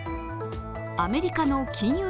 アメリカの金融